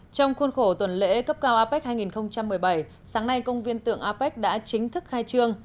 trong khuôn khổ tuần lễ cấp cao apec hai nghìn một mươi bảy sáng nay công viên tượng apec đã chính thức khai trương